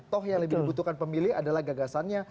toh yang lebih dibutuhkan pemilih adalah gagasannya